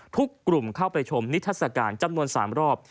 ทุกกลุ่มเข้าไปชมนิทัศกาลจำนวน๓รอบ